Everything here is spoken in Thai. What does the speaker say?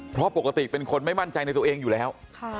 เพราะปกติเป็นคนไม่มั่นใจในตัวเองอยู่แล้ว